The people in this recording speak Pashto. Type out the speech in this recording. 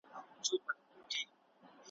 نجیب چا پانسی ته جگ کړ بې پښتونه.